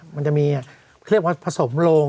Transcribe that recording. มันจะมีเคลียร์ว่าผสมโลง